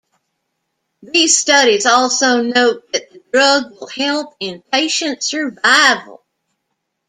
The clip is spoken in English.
These studies also note that the drug will help in patient survival.